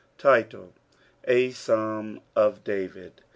Title.— A Paalm of David.